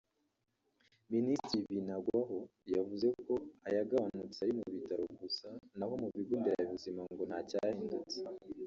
Minisitiri Binagwaho yavuze ko ayagabanutse ari mu bitaro gusa naho mu bigo nderabuzima ngo ntacyahindutse